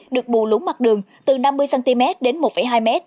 được bù lúng mặt đường từ năm mươi cm đến một hai m